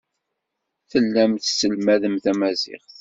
Tellam tesselmadem tamaziɣt.